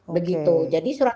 begitu jadi surat